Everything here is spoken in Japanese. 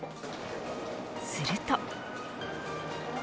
すると。